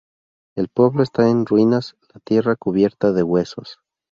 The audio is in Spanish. El pueblo está en ruinas, la tierra cubierta de huesos.